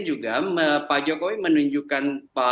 juga pak jokowi menunjukkan